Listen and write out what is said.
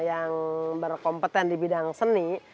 yang berkompeten di bidang seni